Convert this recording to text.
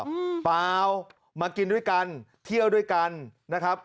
เปล่ามากินด้วยกันเที่ยวด้วยกันนะครับ